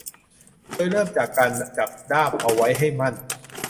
โดยเริ่มจากการจับด้ามเอาไว้ให้มั่น